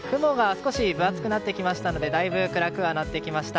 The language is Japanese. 少し分厚くなってきましたのでだいぶ暗くはなってきました。